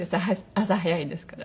朝早いですから。